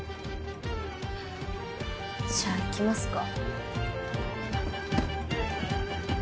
じゃあ行きますか。